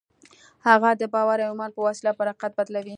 هغه د باور او ايمان په وسيله پر حقيقت بدلوي.